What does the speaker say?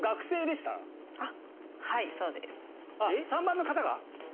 ３番の方が？